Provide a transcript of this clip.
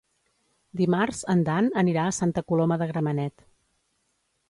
Dimarts en Dan anirà a Santa Coloma de Gramenet.